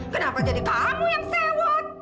kenapa jadi kamu yang sewot